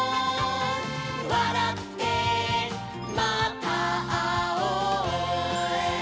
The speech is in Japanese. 「わらってまたあおう」